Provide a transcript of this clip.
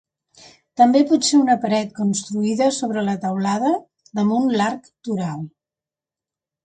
També pot ser una paret construïda sobre la teulada damunt l'arc toral.